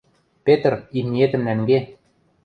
Петр, имниэтӹм нӓнге...